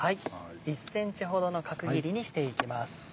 １ｃｍほどの角切りにしていきます。